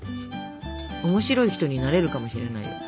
面白い人になれるかもしれないよ。